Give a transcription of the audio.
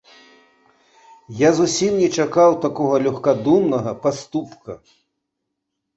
Я зусім не чакаў такога лёгкадумнага паступка.